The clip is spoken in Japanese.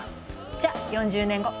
じゃあ４０年後！